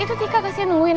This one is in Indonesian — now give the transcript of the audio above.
itu tika kasihnya nungguin